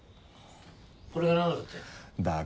これがなんだって？